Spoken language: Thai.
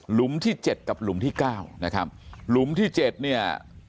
ที่เจ็ดกับหลุมที่เก้านะครับหลุมที่เจ็ดเนี่ย